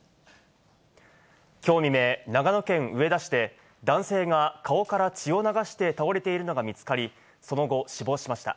きょう未明、長野県上田市で、男性が顔から血を流して倒れているのが見つかり、その後、死亡しました。